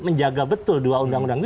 menjaga betul dua undang undang itu